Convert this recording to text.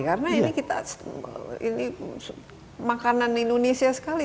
karena ini makanan indonesia sekali